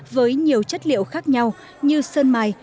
với nhiều chất liệu khác nhau như sơn mài